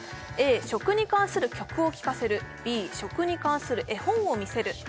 食に関する曲を聴かせるＢ食に関する絵本を見せるＣ